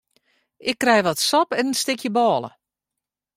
Ik krij wat sop en in stikje bôle.